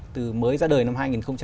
từ mới ra đời năm hai nghìn một mươi